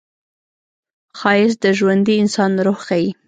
ښایست د ژوندي انسان روح ښيي